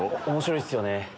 おもしろいっすよね。